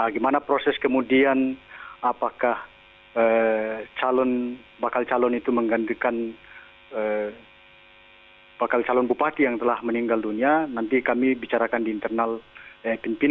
gimana proses kemudian apakah bakal calon itu menggantikan bakal calon bupati yang telah meninggal dunia nanti kami bicarakan di internal pimpinan